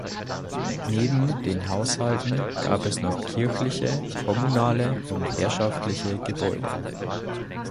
Neben den Haushalten gab es noch kirchliche, kommunale und herrschaftliche Gebäude.